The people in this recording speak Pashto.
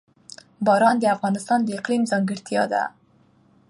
باران د افغانستان د اقلیم ځانګړتیا ده.